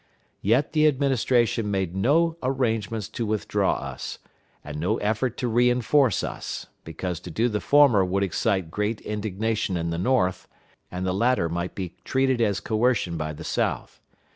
Yet the Administration made no arrangements to withdraw us, and no effort to re enforce us, because to do the former would excite great indignation in the North, and the latter might be treated as coercion by the South.